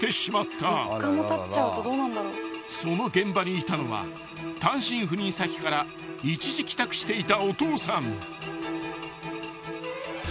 ［その現場にいたのは単身赴任先から一時帰宅していた］